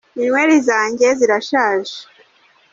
Inyweli zanjye zirashaje.